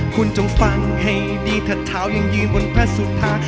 คุณจงฟังให้ดีถัดเท้ายังยืนบนพระสุธา